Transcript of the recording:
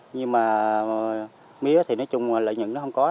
nhưng mà mía nói chung lợi nhận nó không có